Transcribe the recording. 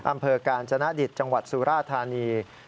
อำเภอกาญจนดิตจังหวัดสุราธานี